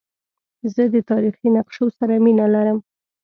زه د تاریخي نقشو سره مینه لرم.